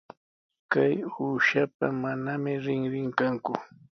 Kay uushapa manami rinrin kanku.